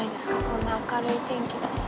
こんな明るい天気だし。